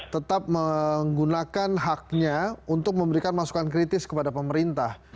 tetap menggunakan haknya untuk memberikan masukan kritis kepada pemerintah